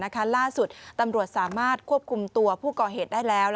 ล่าสุดตำรวจสามารถควบคุมตัวผู้ก่อเหตุได้แล้ว